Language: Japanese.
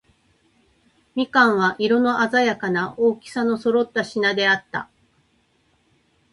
蜜柑は、色のあざやかな、大きさの揃った品であった。